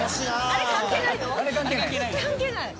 あれ関係ないです。